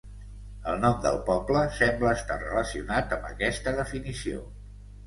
El nom del poble sembla estar relacionat amb aquesta definició.